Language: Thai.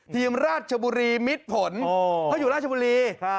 ทีมราชบุรีมิดผลเขาอยู่ราชบุรี